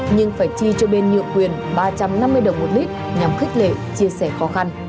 nhưng phải chi cho bên nhượng quyền ba trăm năm mươi đồng một lít nhằm khích lệ chia sẻ khó khăn